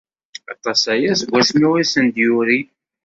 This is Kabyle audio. Aṭas aya seg wasmi ur asen-d-yuri.